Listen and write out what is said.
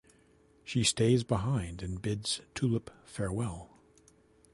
She stays behind and bids Tulip farewell.